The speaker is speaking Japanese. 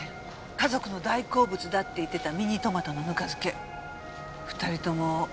家族の大好物だって言ってたミニトマトのぬか漬け２人とも嫌いだって。